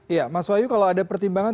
iya mas wahyu kalau ada pertimbangan